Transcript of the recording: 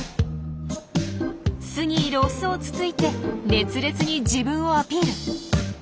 巣にいるオスをつついて熱烈に自分をアピール。